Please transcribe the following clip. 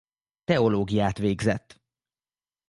Teológiát végzett.